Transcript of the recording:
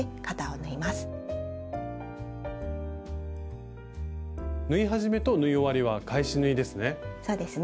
縫い始めと縫い終わりは返し縫いですね？